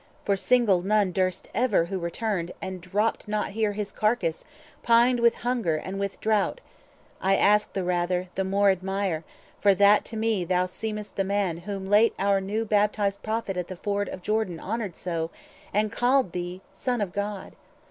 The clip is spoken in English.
for single none Durst ever, who returned, and dropt not here His carcass, pined with hunger and with droughth. I ask the rather, and the more admire, For that to me thou seem'st the man whom late Our new baptizing Prophet at the ford Of Jordan honoured so, and called thee Son Of God.